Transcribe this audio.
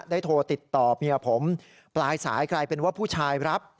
โทรติดต่อเมียผมปลายสายกลายเป็นว่าผู้ชายรับ